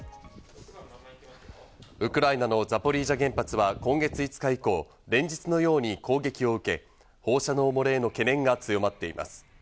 ウクライナのザポリージャ原発は今月５日以降、連日のように攻撃を受け、放射能漏れへの懸念が強まっています。